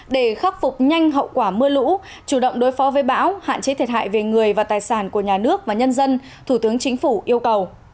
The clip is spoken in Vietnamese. để khắc phục nhanh hậu quả mưa lũ chủ động đối phó với bão hạn chế thiệt hại về người và tài sản của nhà nước và nhân dân thủ tướng chính phủ yêu cầu